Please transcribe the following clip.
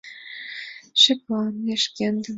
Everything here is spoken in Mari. Шеклане шкендым...